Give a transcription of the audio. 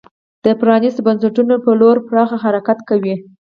د پرانیستو بنسټونو په لور پراخ حرکت وي.